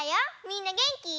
みんなげんき？